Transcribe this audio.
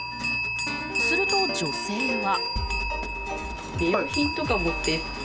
すると女性は。